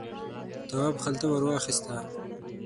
تواب خلته ور واخیسته.